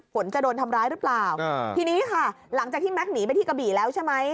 ฝนจะโดนทำร้ายหรือเปล่าทีนี้ค่ะหลังจากที่แก๊กหนีไปที่กระบี่แล้วใช่ไหม